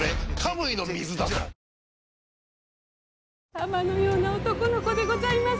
玉のような男の子でございます。